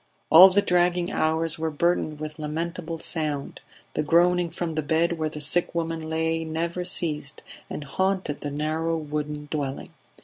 All the dragging hours were burdened with lamentable sound; the groaning from the bed where the sick woman lay never ceased, and haunted the narrow wooden dwelling.